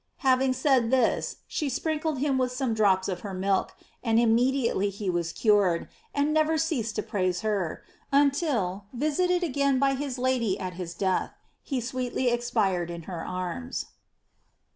Having said this, she sprinkled him with some drops of her milk, and immediately he was cured, and never ceased to praise her, until, visited again by his Lady at his death, he sweetly expired in her arms.